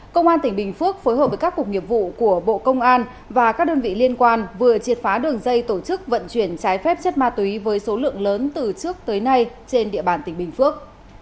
công an tỉnh bình phước phối hợp với các cục nghiệp vụ của bộ công an và các đơn vị liên quan vừa triệt phá đường dây tổ chức vận chuyển trái phép chất ma túy với số lượng lớn từ trước tới nay trên địa bàn tỉnh bình phước